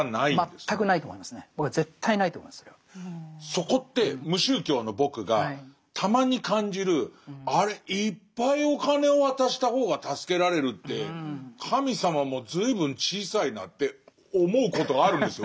そこって無宗教の僕がたまに感じるあれいっぱいお金を渡した方が助けられるって神様も随分小さいなって思うことがあるんですよ